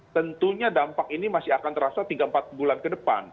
tentunya dampak ini masih akan terasa tiga empat bulan ke depan